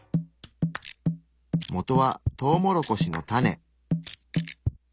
もとはトウモロコシの種。